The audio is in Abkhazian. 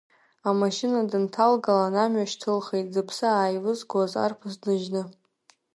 Амашьына дынҭалгалан, амҩа шьҭылхит, зыԥсы ааивызгоз арԥыс дныжьны.